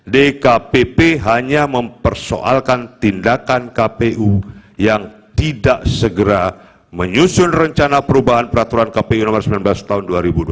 dkpp hanya mempersoalkan tindakan kpu yang tidak segera menyusun rencana perubahan peraturan kpu nomor sembilan belas tahun dua ribu dua puluh